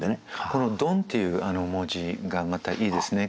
この「呑」っていう文字がまたいいですね。